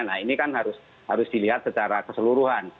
nah ini kan harus dilihat secara keseluruhan